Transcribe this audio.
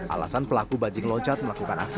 alasan pelaku bajing loncat melakukan aksi